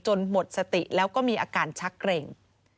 หมดสติแล้วก็มีอาการชักเกร็ง